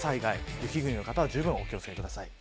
雪国の方はじゅうぶんお気を付けください。